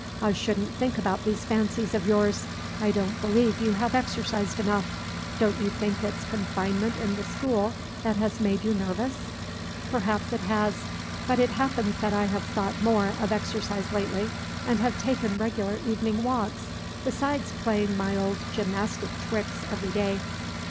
I wouldn't think about these fancies of yours. I don't believe you have exercised enough; don't you think it's confinement in the school has made you nervous?" "Perhaps it has; but it happens that I have thought more of exercise lately, and have taken regular evening walks, besides playing my old gymnastic tricks every day."